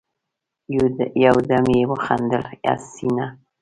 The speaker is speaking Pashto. يودم يې وخندل: حسينه!